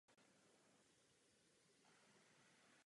Z toho důvodu jsme odložili udělení absolutoria.